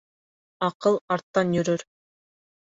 Аҡыл арттан йөрөр.